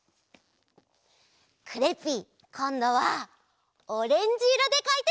クレッピーこんどはオレンジいろでかいてみる！